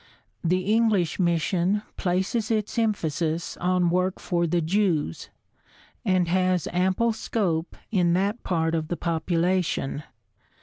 The English mission places its emphasis on work for the Jews and has ample scope in that part of the population.